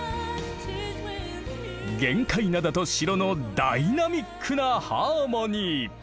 玄界灘と城のダイナミックなハーモニー。